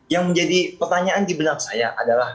yang menjadi pertanyaan di belakang saya adalah